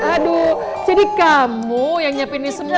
aduh jadi kamu yang nyepi ini semua